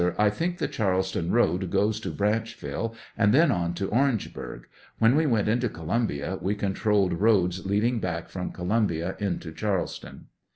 I think the Charleston road goes to Branchville, and then up to Orangeburg .; when we went into Colum bia, we controlled roads leading back from Columbia into Charleston.